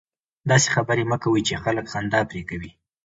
داسي خبري مه کوئ! چي خلک خندا پر کوي.